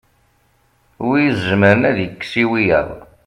wi izemren ad ikkes i wiyaḍ